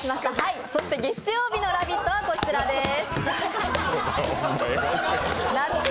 月曜日の「ラヴィット！」はこちらです。